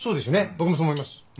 僕もそう思いますうん。